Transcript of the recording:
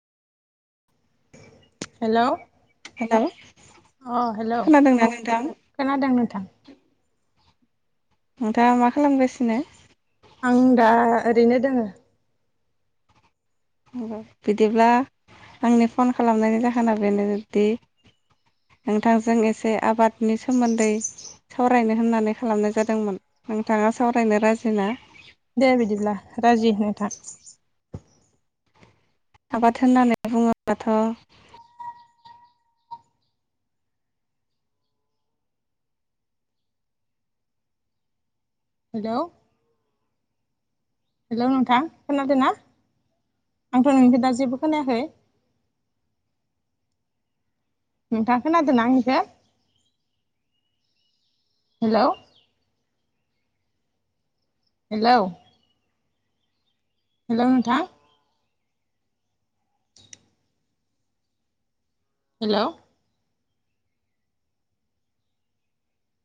Hello hello अ hello खोनादोंना नोंथां खोनादों नोंथां नोंथाङा मा खालामगासिनो आं दा ओरैनो दोङो बिदिब्ला आंनि फन खालामनायनि जाहोना बेनोदि नोंथांजों एसे आबादनि सोमोन्दै सावरायनो होननानै खालामनाय जादोंमोन नोंथाङा सावरायनो राजि ना? दे बिदिब्ला राजि नोंथां। आबाद होननानै बुङोबाथ' हेलौ हेलौ नोंथां खोनादों ना आंथ' नोंनिखो दा जेबो खोनायाखै। नोंथां खोनादों आंनिखौ बेखो हेलौ हेलौ हेलौ नोंथां। हेलौ